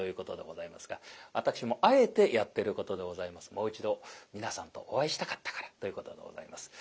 もう一度皆さんとお会いしたかったからということでございます。